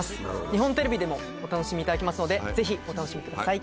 日本テレビでもお楽しみいただけますのでぜひお楽しみください。